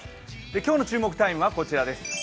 今日の注目「ＴＩＭＥ，」はこちらです。